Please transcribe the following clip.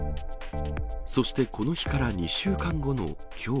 そしてこの日から２週間後のきょう。